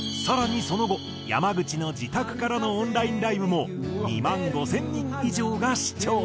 更にその後山口の自宅からのオンラインライブも２万５０００人以上が視聴。